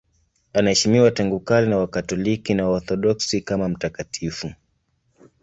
Anaheshimiwa tangu kale na Wakatoliki na Waorthodoksi kama mtakatifu.